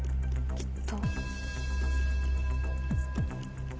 きっと。